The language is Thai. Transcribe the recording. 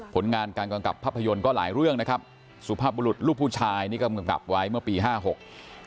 ผลงานการกำกับภาพยนตร์ก็หลายเรื่องนะครับสุภาพบุรุษลูกผู้ชายนี่ก็กำกับไว้เมื่อปีห้าหก